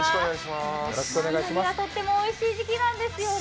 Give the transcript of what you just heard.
ニラ、とってもおいしい時期なんですよね。